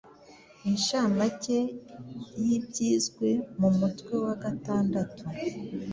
Inshamake y’ibyizwe mu mutwe wa gatandatu